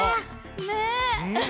ねえ。